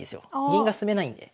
銀が進めないんで。